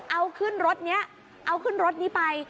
เอาขึ้นรถนี้เอาขึ้นรถนี้ไป